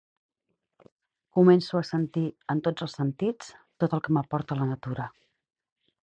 Començo a sentir, en tots els sentits, tot el que m'aporta la natura.